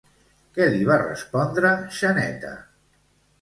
Què li va respondre Xaneta?